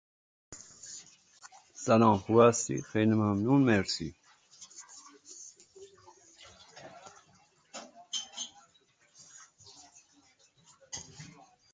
از روی چه مأخذی اجرت میدهید